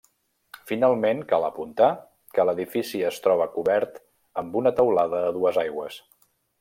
Finalment, cal apuntar, que l'edifici es troba cobert amb una teulada a dues aigües.